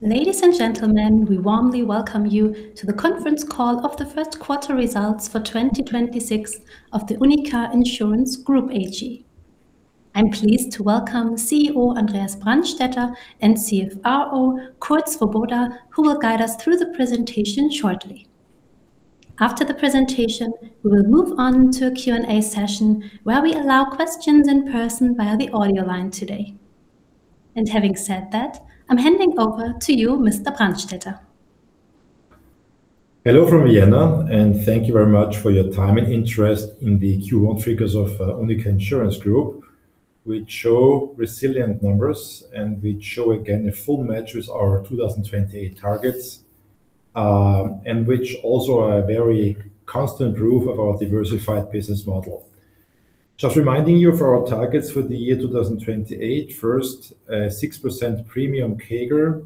Ladies and gentlemen, we warmly welcome you to the conference call of the first quarter results for 2026 of the UNIQA Insurance Group AG. I'm pleased to welcome CEO Andreas Brandstetter and CFO Kurt Svoboda, who will guide us through the presentation shortly. After the presentation, we will move on to a Q&A session where we allow questions in person via the audio line today. Having said that, I'm handing over to you, Mr. Brandstetter. Hello from Vienna. Thank you very much for your time and interest in the Q1 figures of UNIQA Insurance Group, which show resilient numbers and which show again a full match with our 2028 targets, and which also are a very constant proof of our diversified business model. Just reminding you of our targets for the year 2028. First, 6% premium CAGR.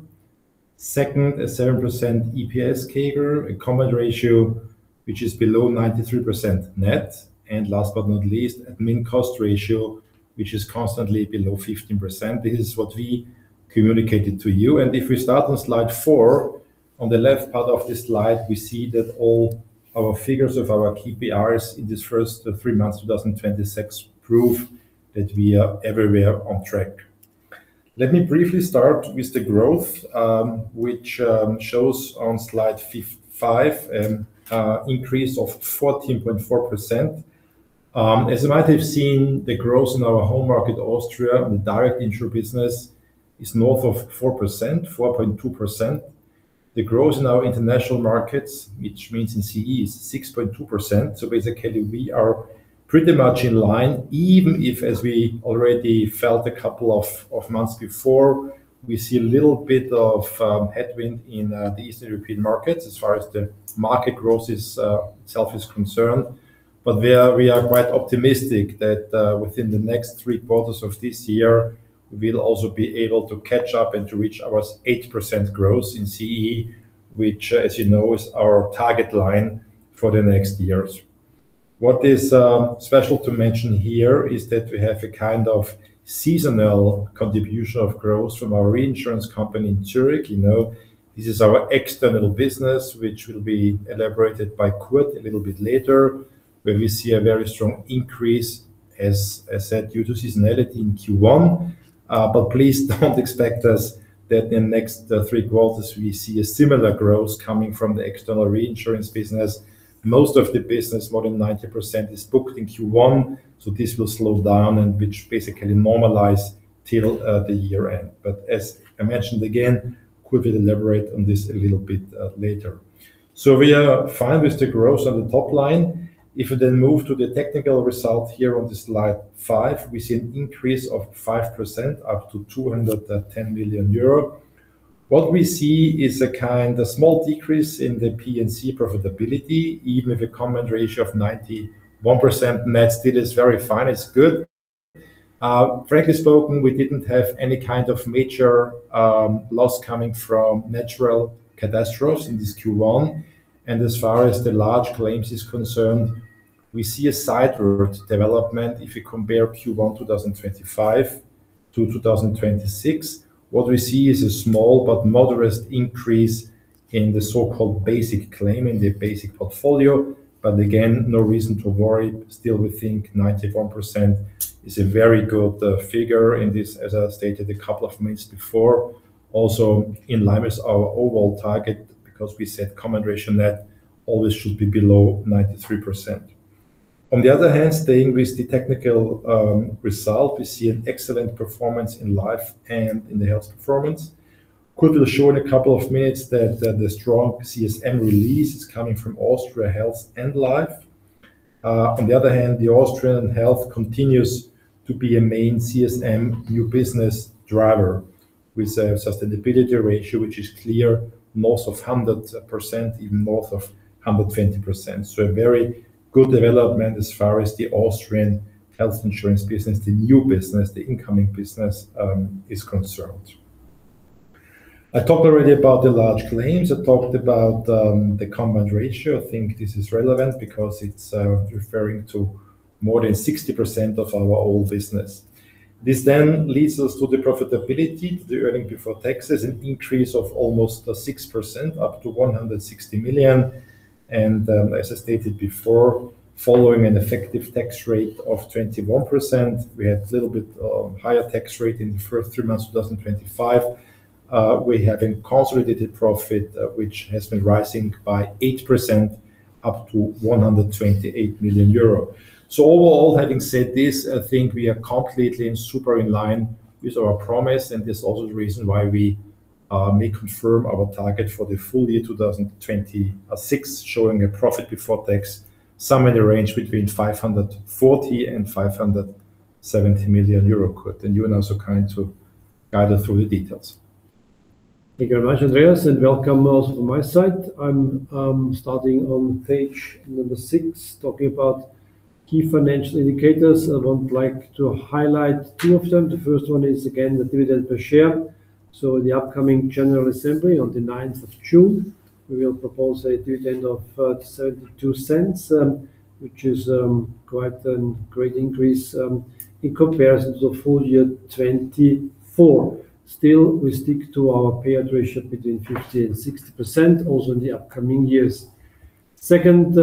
Second, a 7% EPS CAGR. A combined ratio, which is below 93% net. Last but not least, admin cost ratio, which is constantly below 15%. This is what we communicated to you. If we start on slide four, on the left part of the slide, we see that all our figures of our KPIs in these first three months 2026 prove that we are everywhere on track. Let me briefly start with the growth, which shows on slide five an increase of 14.4%. As you might have seen, the growth in our home market, Austria, the direct insured business is north of 4%, 4.2%. The growth in our international markets, which means in CEE, is 6.2%. Basically, we are pretty much in line, even if, as we already felt a couple of months before, we see a little bit of headwind in the Eastern European markets as far as the market growth itself is concerned. We are quite optimistic that within the next three quarters of this year, we will also be able to catch up and to reach our 8% growth in CEE, which, as you know, is our target line for the next years. What is special to mention here is that we have a kind of seasonal contribution of growth from our reinsurance company in Zurich. This is our external business, which will be elaborated by Kurt a little bit later, where we see a very strong increase, as I said, due to seasonality in Q1. Please don't expect us that in the next three quarters, we see a similar growth coming from the external reinsurance business. Most of the business, more than 90%, is booked in Q1, this will slow down and which basically normalize till the year-end. As I mentioned, again, Kurt will elaborate on this a little bit later. We are fine with the growth on the top line. If we move to the technical result here on the slide five, we see an increase of 5% up to 210 million euro. What we see is a small decrease in the P&C profitability, even with a combined ratio of 91% net, still is very fine, it's good. Frankly spoken, we didn't have any kind of major loss coming from natural catastrophes in this Q1. As far as the large claims is concerned, we see a sideward development. If we compare Q1 2025-2026, what we see is a small but moderate increase in the so-called basic claim, in the basic portfolio. Again, no reason to worry. Still, we think 91% is a very good figure in this, as I stated a couple of minutes before. Also in line with our overall target because we said combined ratio net always should be below 93%. On the other hand, staying with the technical result, we see an excellent performance in life and in the health performance. Kurt will show in a couple of minutes that the strong CSM release is coming from Austria Health and Life. On the other hand, the Austrian Health continues to be a main CSM new business driver with a sustainability ratio, which is clear north of 100%, even north of 120%. A very good development as far as the Austrian Health Insurance business, the new business, the incoming business is concerned. I talked already about the large claims. I talked about the combined ratio. I think this is relevant because it's referring to more than 60% of our whole business. This leads us to the profitability, the earnings before tax is an increase of almost 6%, up to 160 million. As I stated before, following an effective tax rate of 21%, we had a little bit higher tax rate in the first three months of 2025. We have a consolidated profit, which has been rising by 8% up to 128 million euro. Overall, having said this, I think we are completely and super in line with our promise, and this is also the reason why we may confirm our target for the full year 2026, showing a profit before tax somewhere in the range between 540 million and 570 million euro. Kurt, you are now so kind to guide us through the details. Thank you very much, Andreas, welcome also from my side. I am starting on page number six, talking about key financial indicators. I would like to highlight two of them. The first one is, again, the dividend per share. In the upcoming general assembly on the 9th of June, we will propose a dividend of 0.72, which is quite a great increase in comparison to full year 2024. Still, we stick to our payout ratio between 50%-60%, also in the upcoming years. Second,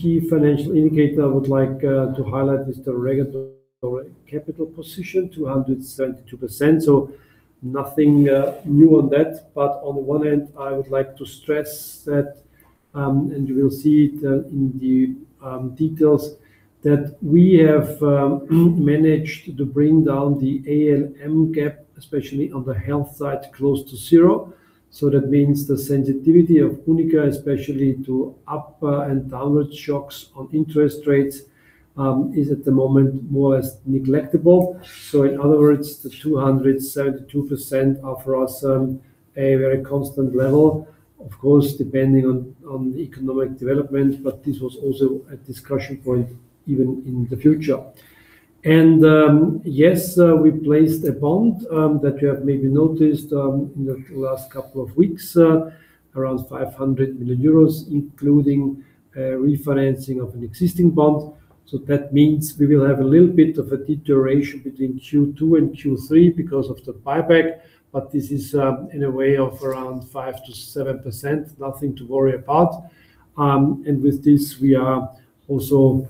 key financial indicator I would like to highlight is the regulatory capital position, 272%. Nothing new on that. On the one hand, I would like to stress that, and you will see it in the details, that we have managed to bring down the ALM gap, especially on the health side, close to zero. That means the sensitivity of UNIQA, especially to upper and downward shocks on interest rates, is at the moment more as negligible. In other words, the 272% are for us a very constant level, of course depending on economic development. This was also a discussion point even in the future. Yes, we placed a bond, that you have maybe noticed, in the last couple of weeks, around 500 million euros, including refinancing of an existing bond. That means we will have a little bit of a deterioration between Q2 and Q3 because of the buyback, but this is in a way of around 5%-7%, nothing to worry about. With this, we are also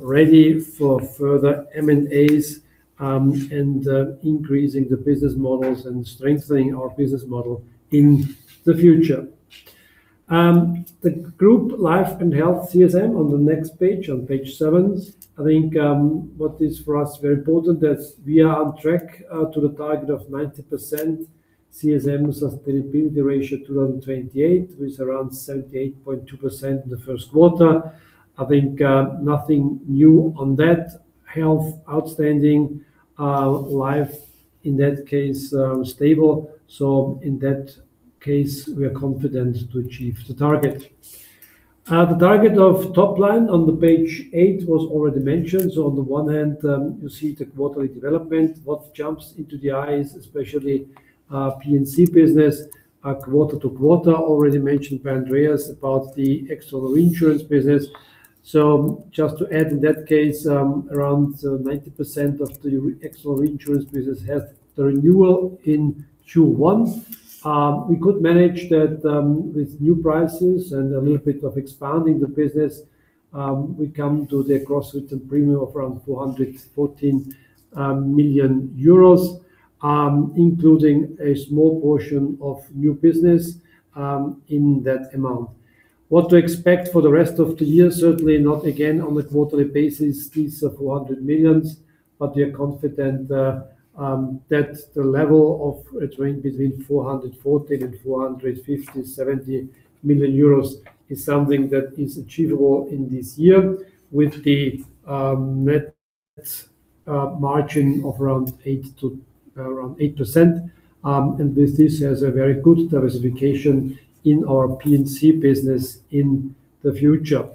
ready for further M&As, and increasing the business models and strengthening our business model in the future. The group Life and Health CSM on the next page, on page seven. I think what is for us very important that we are on track to the target of 90% CSM, sustainability ratio 2028, with around 78.2% in the first quarter. I think nothing new on that. Health, outstanding. Life, in that case, stable. In that case, we are confident to achieve the target. The target of top line on the page eight was already mentioned. On the one hand, you see the quarterly development. What jumps into the eyes, especially P&C business, quarter-to-quarter. Already mentioned by Andreas about the excess reinsurance business. Just to add, in that case, around 90% of the excess reinsurance business had the renewal in Q1. We could manage that with new prices and a little bit of expanding the business. We come to the gross written premium of around 414 million euros, including a small portion of new business in that amount. What to expect for the rest of the year? Certainly not again on a quarterly basis, piece of 100 million. We are confident that the level of between 440 million and 450 million euros, EUR 470 million is something that is achievable in this year with the net margin of around 8%. This has a very good diversification in our P&C business in the future.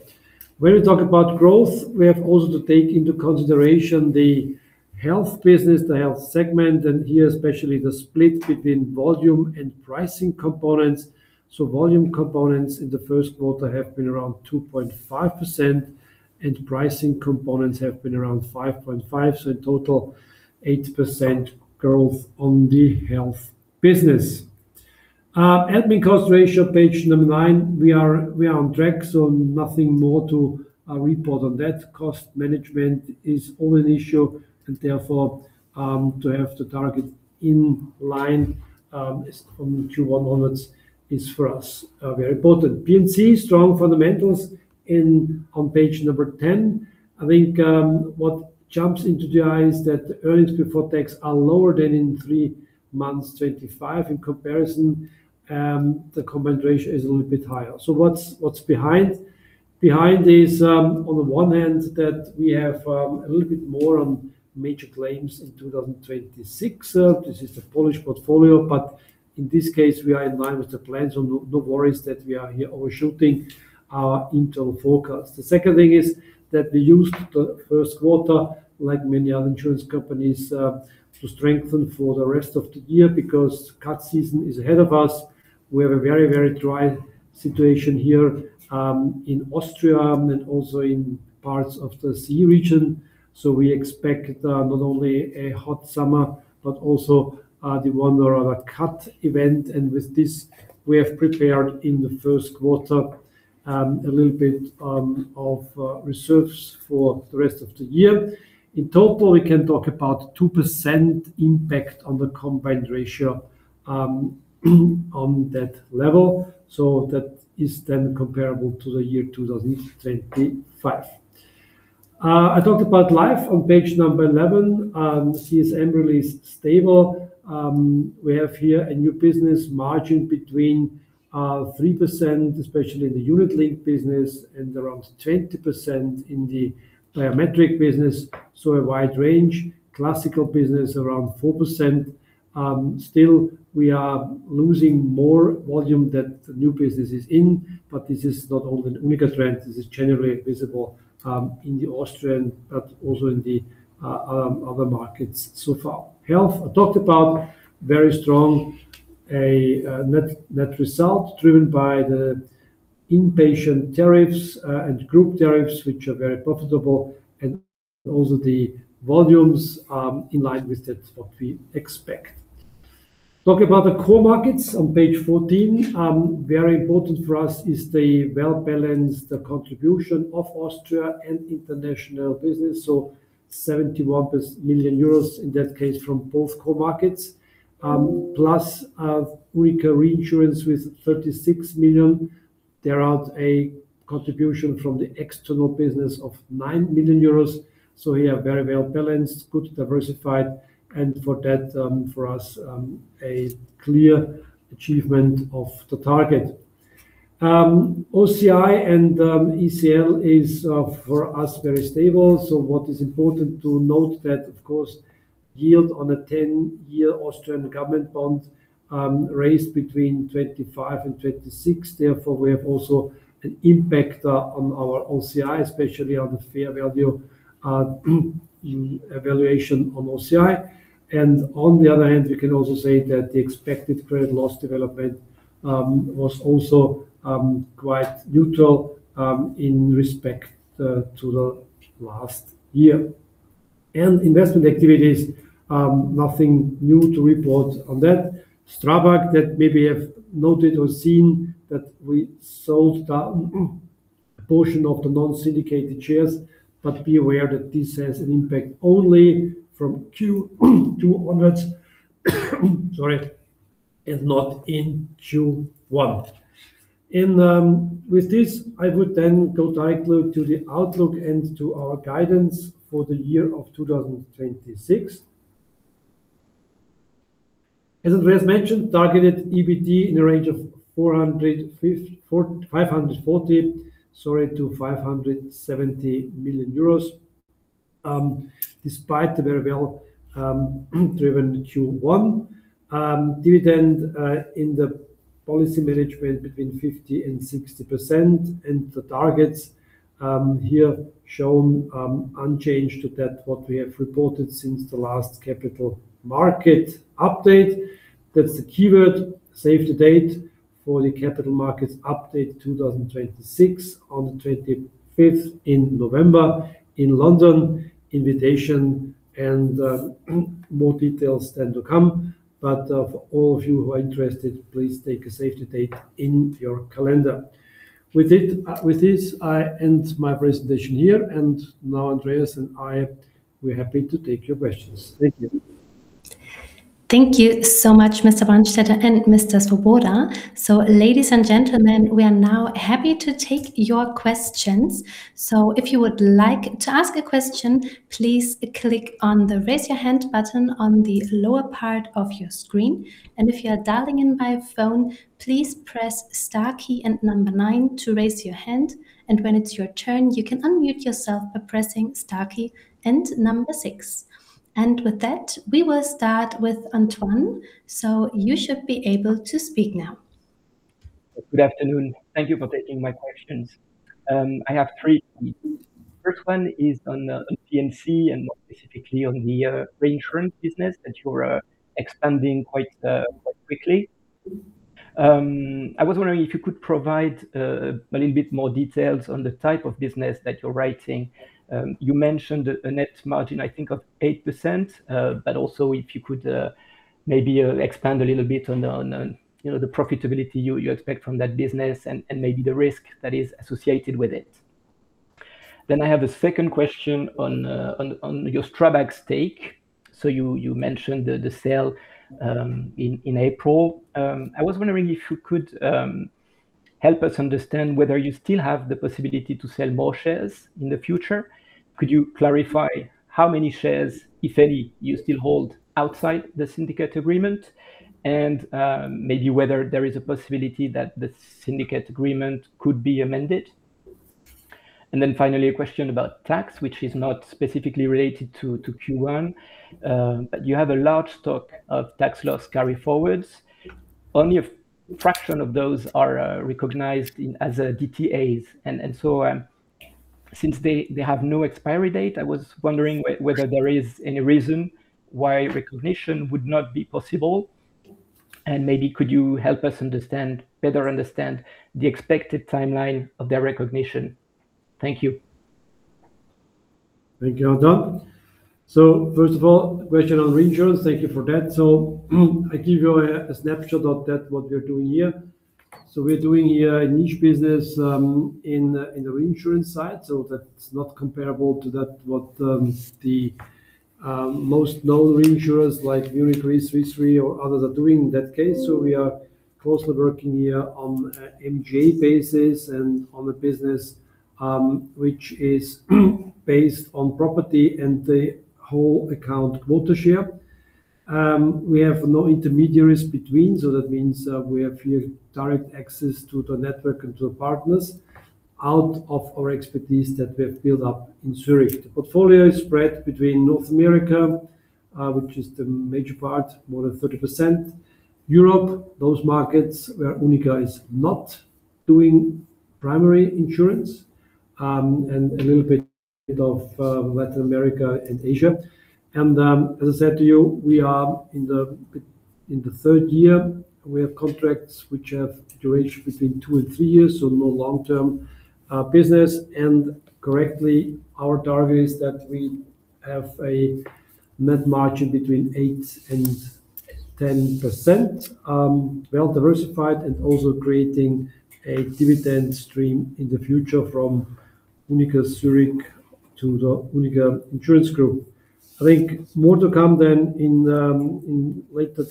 When we talk about growth, we have also to take into consideration the health business, the health segment, and here especially the split between volume and pricing components. Volume components in the first quarter have been around 2.5%, and pricing components have been around 5.5%. In total, 8% growth on the health business. admin cost ratio, page number nine. We are on track. Nothing more to report on that. Cost management is always an issue, and therefore, to have the target in line, from the Q1 onwards is for us very important. P&C, strong fundamentals on page number 10. I think what jumps into the eye is that the earnings before tax are lower than in three months 2025. In comparison, the combined ratio is a little bit higher. What's behind? Behind is, on the one hand, that we have a little bit more on major claims in 2026. This is the Polish portfolio, but in this case, we are in line with the plans. No worries that we are overshooting our internal forecast. The second thing is that we used the first quarter, like many other insurance companies, to strengthen for the rest of the year because cat season is ahead of us. We have a very dry situation here in Austria and also in parts of the CEE region. We expect not only a hot summer, but also the one or other cat event. With this, we have prepared in the first quarter, a little bit of reserves for the rest of the year. In total, we can talk about 2% impact on the combined ratio on that level. That is then comparable to the year 2025. I talked about life on page number 11. CSM really is stable. We have here a new business margin between 3%, especially in the unit-linked business, and around 20% in the biometric business. A wide range. Classical business, around 4%. Still, we are losing more volume that the new business is in, but this is not only an UNIQA trend. This is generally visible in the Austrian, but also in the other markets so far. Health, I talked about. Very strong net result driven by the inpatient tariffs, and group tariffs, which are very profitable. Also the volumes, in line with what we expect. Talk about the core markets on page 14. Very important for us is the well-balanced contribution of Austria and international business. 71 million euros in that case from both core markets. Plus, UNIQA Re with 36 million. There is a contribution from the external business of 9 million euros. We are very well-balanced, good diversified, and for that, for us, a clear achievement of the target. OCI and ECL is for us very stable. What is important to note that, of course, yield on a 10-year Austrian government bond raised between 25 and 26. We have also an impact on our OCI, especially on the fair value evaluation on OCI. On the other hand, we can also say that the expected credit loss development was also quite neutral in respect to the last year. Investment activities, nothing new to report on that. STRABAG, that maybe you have noted or seen that we sold a portion of the non-syndicated shares, be aware that this has an impact only from Q2 onwards, sorry, and not in Q1. With this, I would go directly to the outlook and to our guidance for the year of 2026. As Andreas mentioned, targeted EBT in a range of EUR 400, 540, sorry, to 570 million euros, despite the very well-driven Q1. Dividend in the policy management between 50% and 60%. The targets here shown unchanged to that what we have reported since the last Capital Markets Update. That's the keyword, save the date for the Capital Markets Update 2026 on the 25th in November in London. Invitation and more details then to come. For all of you who are interested, please take a save the date in your calendar. With this, I end my presentation here. Now Andreas and I, we're happy to take your questions. Thank you. Thank you so much, Mr. Brandstetter and Mr. Svoboda. Ladies and gentlemen, we are now happy to take your questions. If you would like to ask a question, please click on the Raise Your Hand button on the lower part of your screen. If you are dialing in by phone, please press star key and number nine to raise your hand. When it's your turn, you can unmute yourself by pressing star key and number six. With that, we will start with Antoine. You should be able to speak now. Good afternoon. Thank you for taking my questions. I have three. First one is on P&C and more specifically on the reinsurance business that you're expanding quite quickly. I was wondering if you could provide a little bit more details on the type of business that you're writing. You mentioned a net margin, I think, of 8%, but also if you could maybe expand a little bit on the profitability you expect from that business and maybe the risk that is associated with it. I have a second question on your STRABAG stake. You mentioned the sale in April. I was wondering if you could help us understand whether you still have the possibility to sell more shares in the future. Could you clarify how many shares, if any, you still hold outside the Syndicate agreement? Maybe whether there is a possibility that the Syndicate agreement could be amended? Finally, a question about tax, which is not specifically related to Q1. You have a large stock of tax loss carry-forwards. Only a fraction of those are recognized as DTAs. Since they have no expiry date, I was wondering whether there is any reason why recognition would not be possible. Maybe could you help us better understand the expected timeline of their recognition? Thank you. Thank you, Antoine. First of all, question on reinsurance. Thank you for that. I give you a snapshot of that, what we are doing here. We're doing a niche business in the reinsurance side. That's not comparable to what the most known reinsurers like Munich Re, Swiss Re, or others are doing in that case. We are closely working here on an MGA basis and on a business which is based on property and the whole account quota share. We have no intermediaries between, so that means we have here direct access to the network and to the partners out of our expertise that we have built up in Zurich. The portfolio is spread between North America, which is the major part, more than 30%. Europe, those markets where UNIQA is not doing primary insurance, and a little bit of Latin America and Asia. As I said to you, we are in the third year. We have contracts which have duration between two and three years, so more long-term business. Correctly, our target is that we have a net margin between 8% and 10%, well-diversified and also creating a dividend stream in the future from UNIQA Zurich to the UNIQA Insurance Group. I think more to come then in later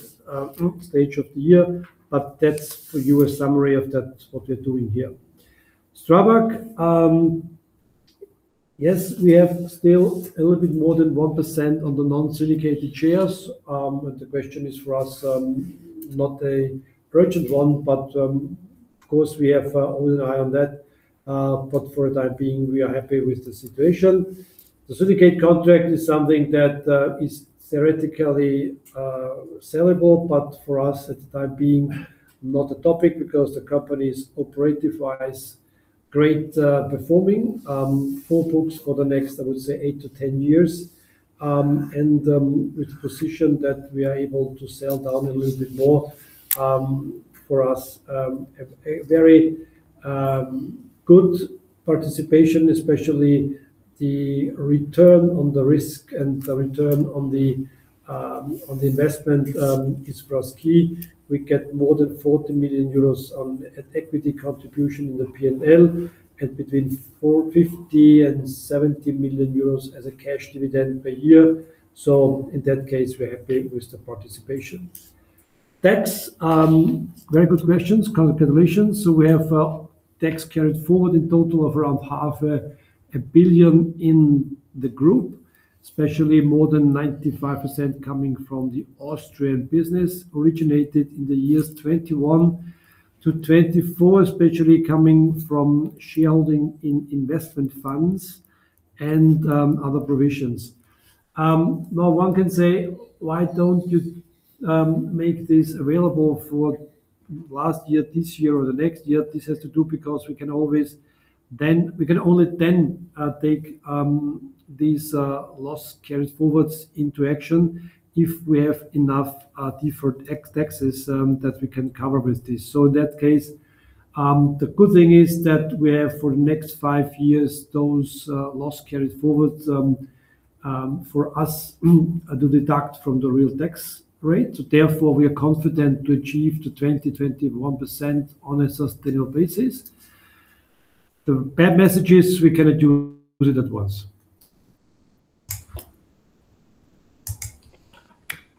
stage of the year, but that's for you, a summary of that, what we're doing here. STRABAG, yes, we have still a little bit more than 1% on the non-syndicated shares. The question is for us, not an urgent one, but of course, we have always an eye on that. For the time being, we are happy with the situation. The Syndicate contract is something that is theoretically sellable, but for us, at the time being, not a topic because the company is operative-wise great performing. Full books for the next, I would say, 8-10 years. With the position that we are able to sell down a little bit more, for us, a very good participation, especially the return on the risk and the return on the investment is for us key. We get more than 40 million euros on equity contribution in the P&L and between 450 and 70 million euros as a cash dividend per year. In that case, we are happy with the participation. Tax. Very good questions. Current calculations. We have tax carried forward in total of around 500,000,000 in the group, especially more than 95% coming from the Austrian business, originated in the years 2021-2024, especially coming from shielding in investment funds and other provisions. One can say, "Why don't you make this available for last year, this year, or the next year?" This has to do because we can only then take these loss carry-forwards into action if we have enough deferred taxes that we can cover with this. In that case, the good thing is that we have for the next five years, those loss carried forwards for us to deduct from the real tax rate. Therefore, we are confident to achieve the 20%-21% on a sustainable basis. The bad message is we cannot use it at once.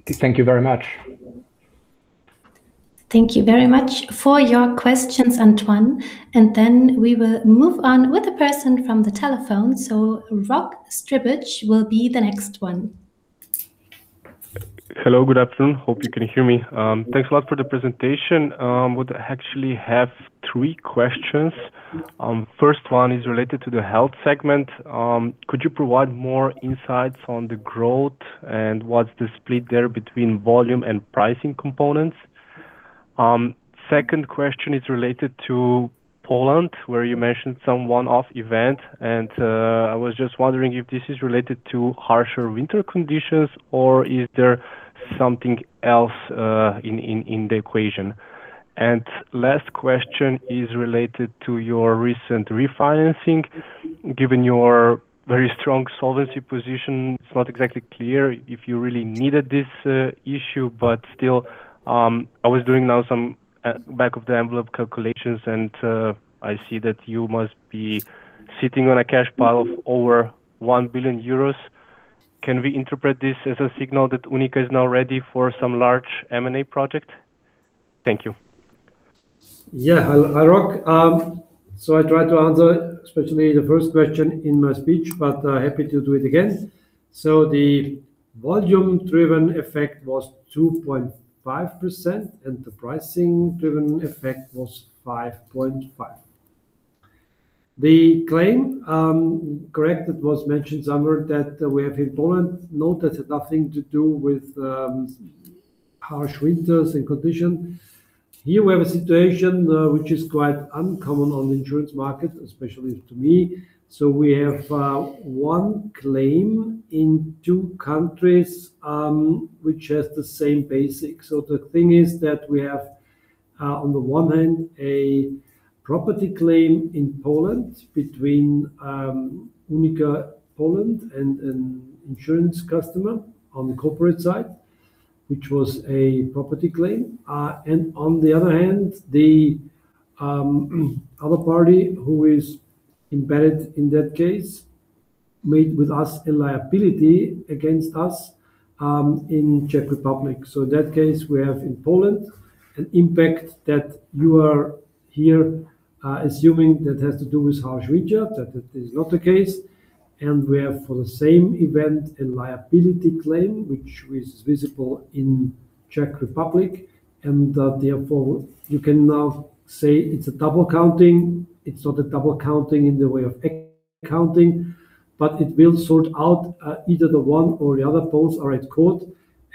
Thank you very much. Thank you very much for your questions, Antoine. We will move on with a person from the telephone. Rok Štribič will be the next one. Hello. Good afternoon. Hope you can hear me. Thanks a lot for the presentation. Would actually have three questions. First one is related to the health segment. Could you provide more insights on the growth and what's the split there between volume and pricing components? Second question is related to Poland, where you mentioned some one-off event, I was just wondering if this is related to harsher winter conditions or is there something else in the equation? Last question is related to your recent refinancing. Given your very strong solvency position, it's not exactly clear if you really needed this issue, but still, I was doing now some back-of-the-envelope calculations, and I see that you must be sitting on a cash pile of over 1 billion euros. Can we interpret this as a signal that UNIQA is now ready for some large M&A project? Thank you. Yeah. Hi, Rok. I tried to answer, especially the first question in my speech, but happy to do it again. The volume-driven effect was 2.5%, and the pricing-driven effect was 5.5%. The claim, correct, that was mentioned somewhere that we have in Poland. No, that had nothing to do with harsh winters and condition. Here we have a situation which is quite uncommon on insurance market, especially to me. We have one claim in two countries, which has the same basic. The thing is that we have, on the one hand, a property claim in Poland between UNIQA Poland and an insurance customer on the corporate side, which was a property claim. On the other hand, the other party who is embedded in that case, made with us a liability against us, in Czech Republic. In that case, we have in Poland an impact that you are here assuming that has to do with harsh winter. That is not the case. We have for the same event, a liability claim, which is visible in Czech Republic. Therefore, you can now say it's a double counting. It's not a double counting in the way of accounting, but it will sort out either the one or the other poles are at court.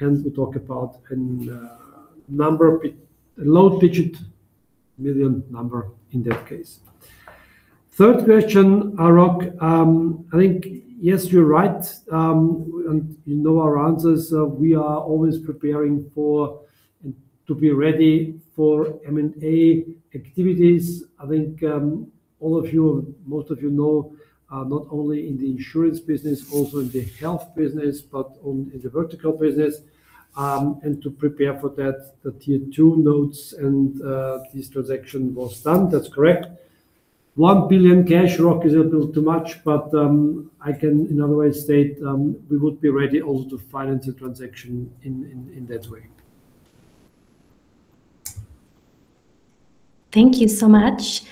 We talk about a low digit million number in that case. Third question, Rok, yes, you're right. You know our answers. We are always preparing to be ready for M&A activities. I think all of you, most of you know, not only in the insurance business, also in the health business, but in the vertical business. To prepare for that, the Tier 2 notes and this transaction was done. That's correct. 1 billion cash, Rok, is a little too much, but I can in other way state, we would be ready also to finance a transaction in that way. Thank you so much.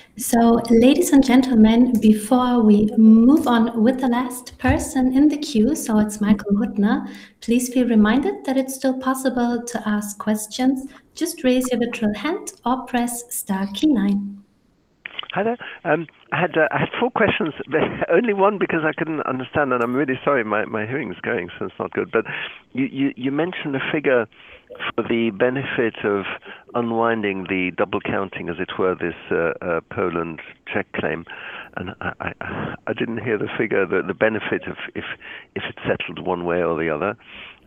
Ladies and gentlemen, before we move on with the last person in the queue, it's Michael Huttner. Please be reminded that it's still possible to ask questions. Just raise your virtual hand or press star key nine. Hi there. I had four questions. Only one, because I couldn't understand, and I'm really sorry, my hearing's going, so it's not good. You mentioned the figure for the benefit of unwinding the double counting, as it were, this Poland-Czech claim, and I didn't hear the figure, the benefit of if it's settled one way or the other.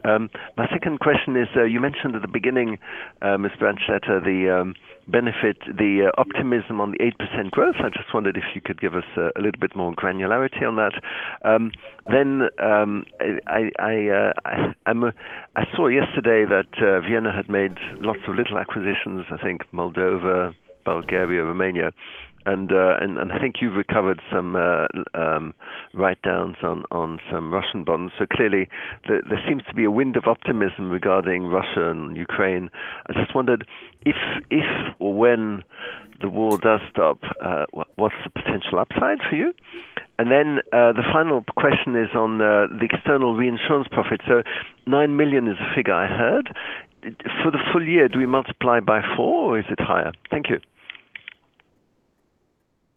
My second question is, you mentioned at the beginning, Mr. Brandstetter, the benefit, the optimism on the 8% growth. I just wondered if you could give us a little bit more granularity on that. I saw yesterday that Vienna Insurance Group had made lots of little acquisitions, I think Moldova, Bulgaria, Romania, and I think you've recovered some write-downs on some Russian bonds. Clearly, there seems to be a wind of optimism regarding Russia and Ukraine. I just wondered if or when the war does stop, what's the potential upside for you? The final question is on the external reinsurance profit. 9 million is the figure I heard. For the full year, do we multiply by four, or is it higher? Thank you.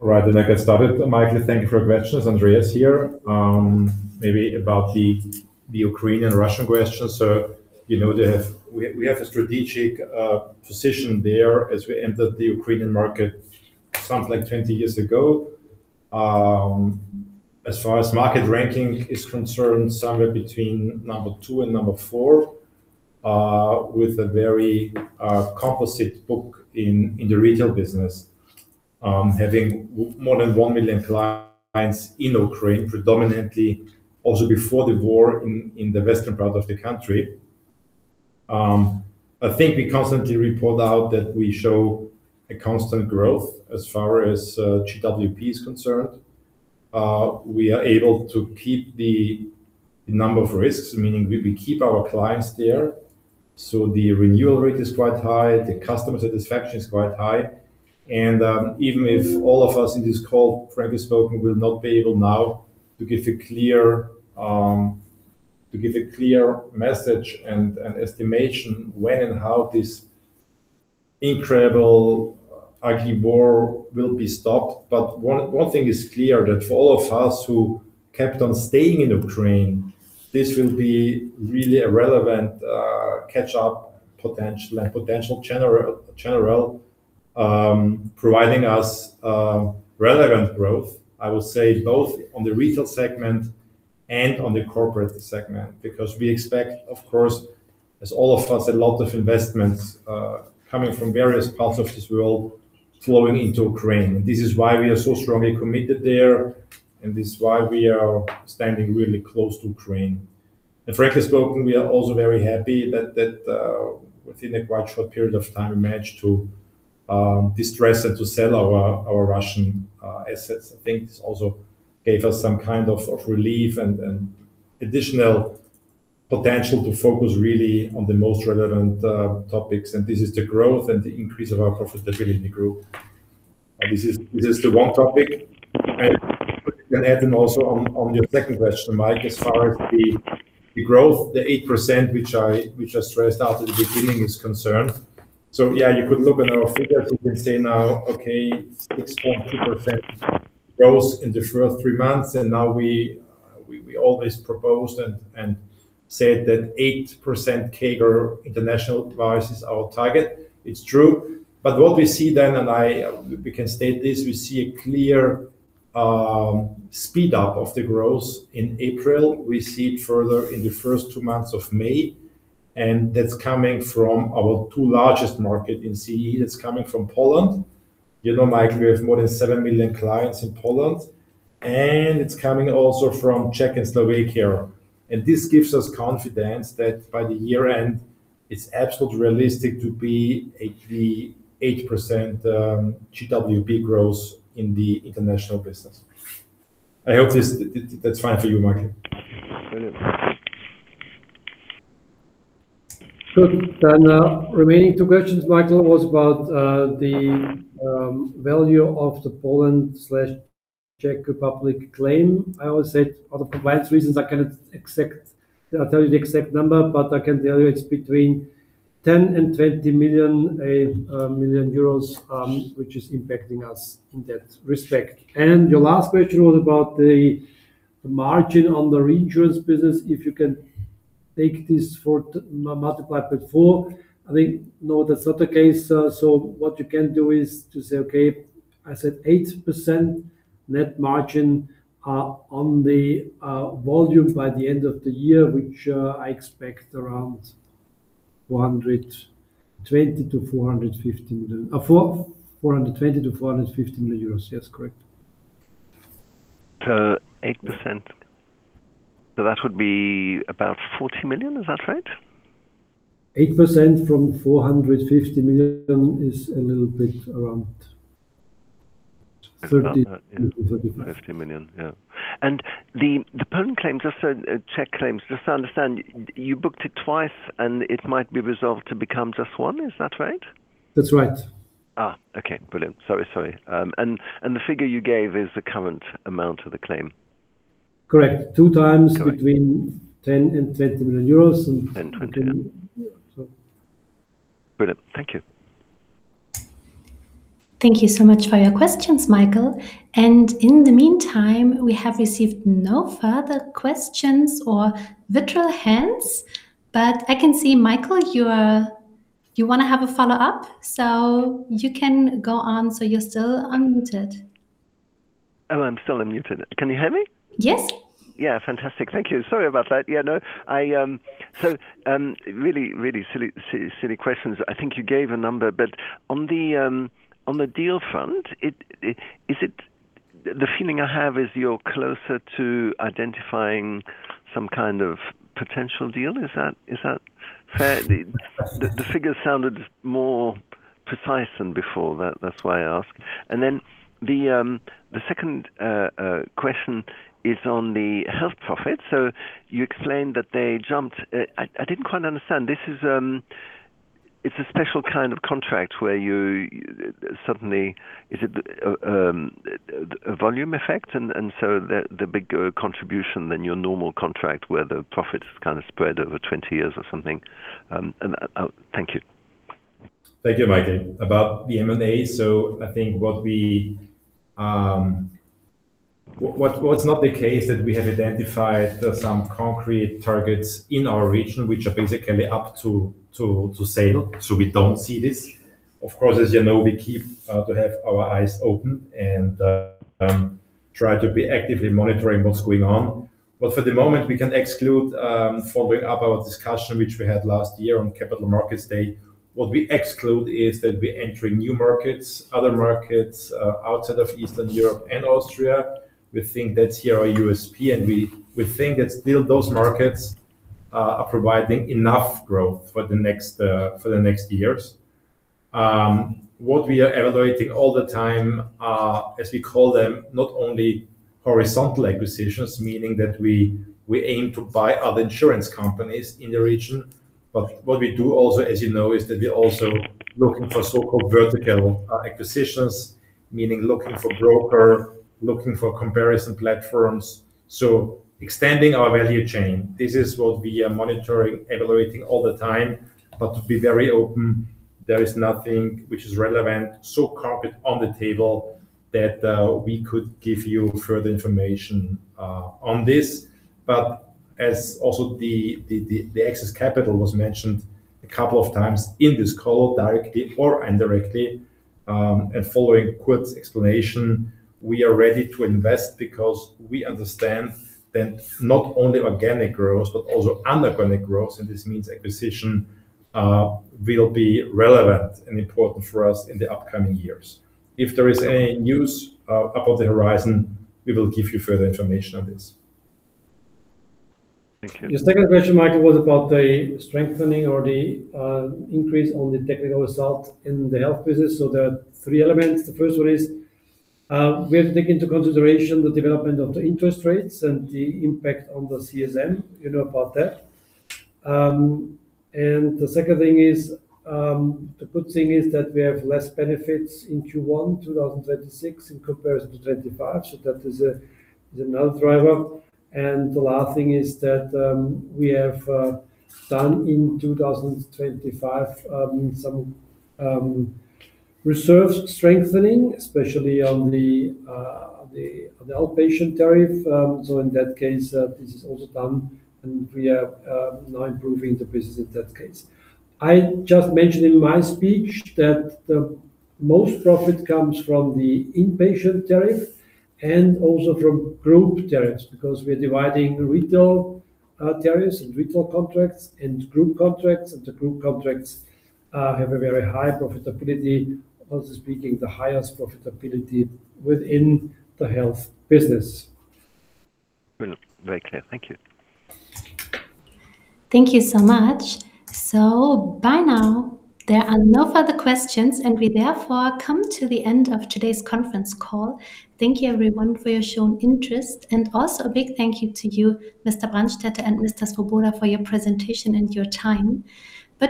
Right, I get started. Michael, thank you for your questions. Andreas here. Maybe about the Ukrainian-Russian question. We have a strategic position there as we entered the Ukrainian market something like 20 years ago. As far as market ranking is concerned, somewhere between number two and number four, with a very composite book in the retail business. Having more than 1 million clients in Ukraine, predominantly also before the war in the western part of the country. I think we constantly report out that we show a constant growth as far as GWP is concerned. We are able to keep the number of risks, meaning we keep our clients there. The renewal rate is quite high. The customer satisfaction is quite high. Even if all of us in this call, frankly spoken, will not be able now to give a clear message and an estimation when and how this incredible, ugly war will be stopped. One thing is clear, that for all of us who kept on staying in Ukraine, this will be really a relevant catch-up potential, providing us relevant growth, I would say, both on the retail segment and on the corporate segment. We expect, of course, as all of us, a lot of investments, coming from various parts of this world, flowing into Ukraine. This is why we are so strongly committed there, and this is why we are standing really close to Ukraine. Frankly spoken, we are also very happy that within a quite short period of time, we managed to distress and to sell our Russian assets. I think this also gave us some kind of relief and additional potential to focus really on the most relevant topics, and this is the growth and the increase of our profitability in the group. This is the one topic. Adding also on your second question, Mike, as far as the growth, the 8%, which I stressed out at the beginning is concerned. Yeah, you could look at our figures. You can say now, okay, 6.2% growth in the first three months, and now we always proposed and said that 8% CAGR international division is our target. It's true. What we see then, and we can state this, we see a clear speed-up of the growth in April. We see it further in the first two months of May. That's coming from our two largest market in CEE. That's coming from Poland. You know, Mike, we have more than 7 million clients in Poland. It's coming also from Czech and Slovakia. This gives us confidence that by the year-end, it's absolutely realistic to be 8% GWP growth in the international business. I hope that's fine for you, Mike. Brilliant. Good. Remaining two questions, Michael, was about the value of the Poland/Czech Republic claim. I always said for compliance reasons, I cannot tell you the exact number, but I can tell you it's between 10 million and 20 million euros, which is impacting us in that respect. Your last question was about the margin on the reinsurance business, if you can take this for multiply by four. I think, no, that's not the case. What you can do is to say, okay, I said 8% net margin on the volume by the end of the year, which I expect around 420 million-450 million euros. 420 million-450 million euros. Yes, correct. 8%. That would be about 40 million. Is that right? 8% from 450 million is a little bit around 30-35. 30 million, 50 million. Yeah. The pending claim, Czech claims, just so I understand, you booked it twice and it might be resolved to become just one. Is that right? That's right. Okay. Brilliant. Sorry. The figure you gave is the current amount of the claim? Correct. Two times between 10 million and 20 million euros. EUR 10, 20. Brilliant. Thank you. Thank you so much for your questions, Michael. In the meantime, we have received no further questions or virtual hands, but I can see, Michael, you want to have a follow-up, so you can go on. You're still unmuted. Oh, I'm still unmuted. Can you hear me? Yes. Fantastic. Thank you. Sorry about that. Really silly questions. I think you gave a number, on the deal front, the feeling I have is you're closer to identifying some kind of potential deal. Is that fair? The figures sounded more precise than before. That's why I asked. The second question is on the health profit. You explained that they jumped. I didn't quite understand. It's a special kind of contract where you suddenly. Is it a volume effect? The bigger contribution than your normal contract where the profit is kind of spread over 20 years or something. Thank you. Thank you, Michael. About the M&A, I think what's not the case that we have identified some concrete targets in our region, which are basically up to sale. We don't see this. Of course, as you know, we keep to have our eyes open and try to be actively monitoring what's going on. For the moment, we can exclude following up our discussion, which we had last year on Capital Markets Day. What we exclude is that we enter new markets, other markets, outside of Eastern Europe and Austria. We think that's here our USP, and we think that still those markets are providing enough growth for the next years. What we are evaluating all the time, as we call them, not only horizontal acquisitions, meaning that we aim to buy other insurance companies in the region. What we do also, as you know, is that we're also looking for so-called vertical acquisitions, meaning looking for broker, looking for comparison platforms. Extending our value chain. This is what we are monitoring, evaluating all the time. To be very open, there is nothing which is relevant, so carpet on the table that we could give you further information on this. As also the excess capital was mentioned a couple of times in this call, directly or indirectly, and following Kurt's explanation, we are ready to invest because we understand that not only organic growth, but also inorganic growth, and this means acquisition, will be relevant and important for us in the upcoming years. If there is any news above the horizon, we will give you further information on this. Thank you. Your second question, Michael, was about the strengthening or the increase on the technical result in the health business. There are three elements. The first one is, we have to take into consideration the development of the interest rates and the impact on the CSM, you know about that. The second thing is, the good thing is that we have less benefits in Q1 2026 in comparison to 2025. That is a known driver. The last thing is that, we have done in 2025, some reserve strengthening, especially on the outpatient tariff. In that case, this is also done, and we are now improving the business in that case. I just mentioned in my speech that the most profit comes from the inpatient tariff and also from group tariffs, because we're dividing retail tariffs and retail contracts and group contracts. The group contracts have a very high profitability, also speaking the highest profitability within the health business. Brilliant. Very clear. Thank you. Thank you so much. By now, there are no further questions, and we therefore come to the end of today's conference call. Thank you everyone for your shown interest, and also a big thank you to you, Mr. Brandstetter and Mr. Svoboda for your presentation and your time.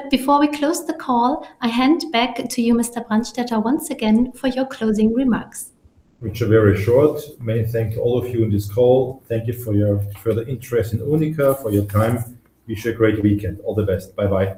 Before we close the call, I hand back to you, Mr. Brandstetter, once again for your closing remarks. Which are very short. May I thank all of you on this call. Thank you for your further interest in UNIQA, for your time. Wish you a great weekend. All the best. Bye-bye.